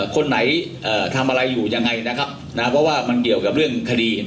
คนไหนทำอะไรอยู่ยังไงนะครับนะเพราะว่ามันเกี่ยวกับเรื่องคดี